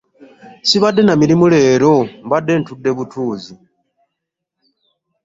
Sibadde na mirimu leero mbadde ntudde butuuzi.